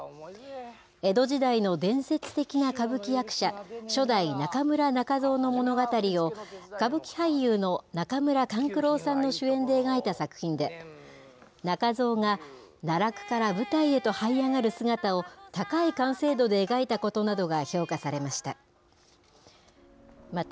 江戸時代の伝説的な歌舞伎役者、初代中村仲蔵の物語を、歌舞伎俳優の中村勘九郎さんの主演で描いた作品で、仲蔵が奈落から舞台へとはい上がる姿を、高い完成度で描いたことなどが評価されました。